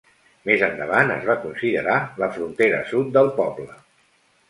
Més endavant es va considerar la frontera sud del poble.